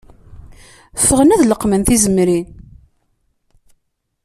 Ffɣen ad leqmen tizemrin